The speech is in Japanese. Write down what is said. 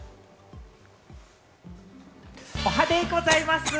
おはデイございます！